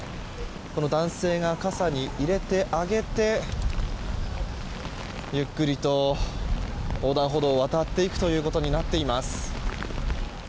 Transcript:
男性が傘に入れてあげてゆっくりと横断歩道を渡っていくということになっています。